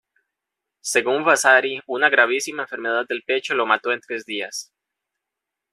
Según Vasari, una "gravísima enfermedad del pecho lo mató en tres días".